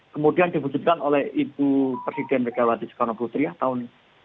kemudian diwujudkan oleh ibu presiden megawati soekarno bertriah tahun dua ribu tiga